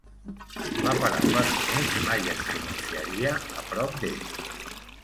La paraula diners mai es pronunciaria a prop d'ell!